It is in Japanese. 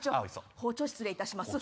包丁失礼いたします。